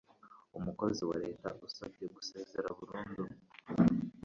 Umukozi wa Leta usabye gusezera burundu